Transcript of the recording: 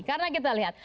karena kita lihat